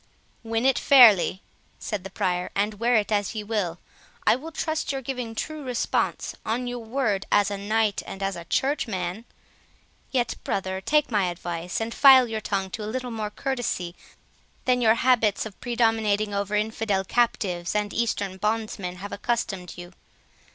"Win it fairly," said the Prior, "and wear it as ye will; I will trust your giving true response, on your word as a knight and as a churchman. Yet, brother, take my advice, and file your tongue to a little more courtesy than your habits of predominating over infidel captives and Eastern bondsmen have accustomed you.